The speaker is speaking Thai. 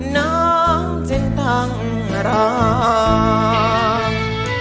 น้องจึงต้องร้อง